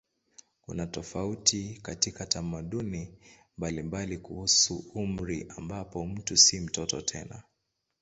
Kuna tofauti katika tamaduni mbalimbali kuhusu umri ambapo mtu si mtoto tena.